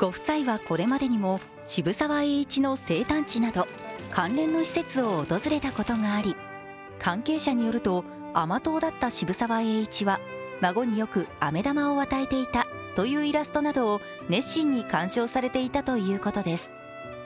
ご夫妻はこれまでにも渋沢栄一の生誕地など関連の施設を訪れたことがあり関係者によると甘党だった渋沢栄一は孫によくあめ玉を与えていたというイラストなどを熱心に鑑賞されていたということです。